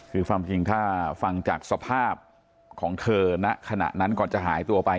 คือความจริงถ้าฟังจากสภาพของเธอณขณะนั้นก่อนจะหายตัวไป